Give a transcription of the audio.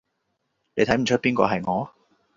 你睇唔岀邊個係我？